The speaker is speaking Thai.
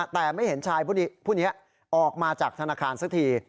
แต่ไม่เห็นชายผู้นี้ออกมาจากธนาคารสักที